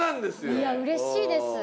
いやうれしいです。